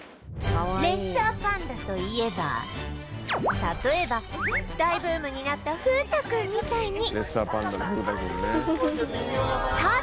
レッサーパンダといえば例えば大ブームになった風太くんみたいに